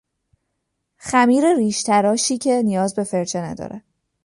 خمیر ریشتراشی که نیازی به فرچه ندارد